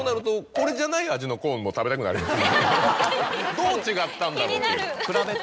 どう違ったんだろうっていう。